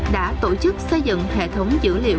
đã tổ chức xây dựng hệ thống dữ liệu